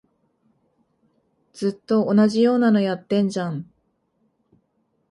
ずっと同じようなのやってんじゃん